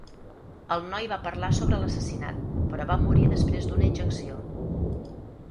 El noi va parlar sobre l'assassinat, però va morir després d'una injecció.